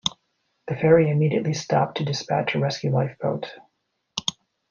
The ferry immediately stopped to dispatch a rescue lifeboat.